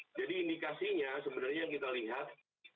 jadi indikasinya sebenarnya yang kita lihat